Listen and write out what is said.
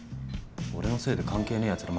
俺のせいで関係ねえやつら